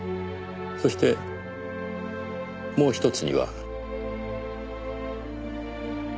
そしてもうひとつには。